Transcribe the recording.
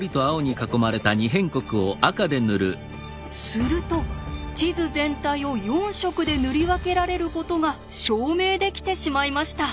すると地図全体を４色で塗り分けられることが証明できてしまいました。